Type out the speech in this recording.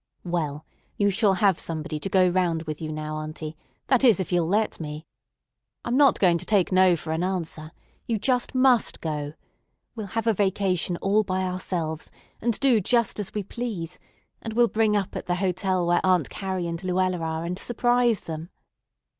"Well, you shall have somebody to go round with you now, auntie; that is, if you'll let me. I'm not going to take 'No' for an answer. You just must go. We'll have a vacation all by ourselves, and do just as we please, and we'll bring up at the hotel where Aunt Carrie and Luella are, and surprise them."